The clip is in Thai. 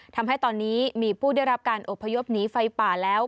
ทำให้ตอนนี้มีผู้ได้รับการอบพยพหนีไฟป่าแล้ว